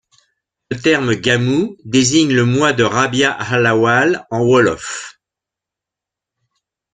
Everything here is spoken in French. Le terme Gamou désigne le mois de Rabia al Awal en wolof.